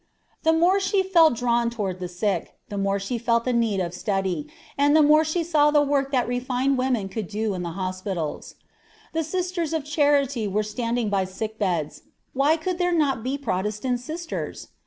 The more she felt drawn toward the sick, the more she felt the need of study, and the more she saw the work that refined women could do in the hospitals. The Sisters of Charity were standing by sick beds; why could there not be Protestant sisters?